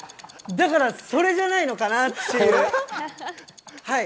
それじゃないのかな？って。